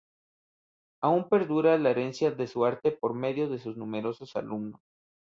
Aún perdura la herencia de su arte por medio de sus numerosos alumnos.